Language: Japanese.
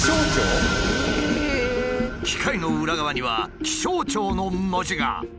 機械の裏側には「気象庁」の文字が。